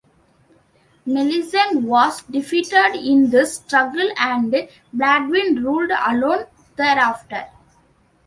Melisende was defeated in this struggle and Baldwin ruled alone thereafter.